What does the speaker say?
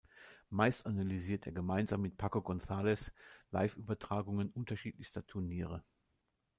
Meist analysiert er gemeinsam mit Paco González Liveübertragungen unterschiedlichster Turniere.